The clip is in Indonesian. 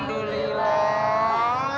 bener bener dapet ya